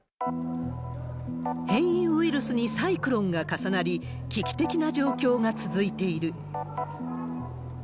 変異ウイルスにサイクロンが重なり、危機的な状況が続いている。